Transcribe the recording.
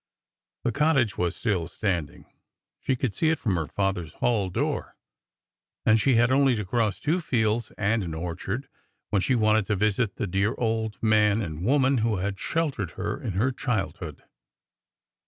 The cottage was still standing; she could see it from her father's hall door. And she had only to cross two fields and an orchard when she wanted to visit the dear old man and woman who had sheltered her in her childhood.